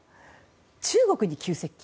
中国に急接近。